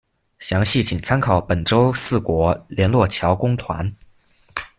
详细请参考本州四国联络桥公团。